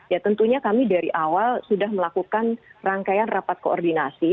ya tentunya kami dari awal sudah melakukan rangkaian rapat koordinasi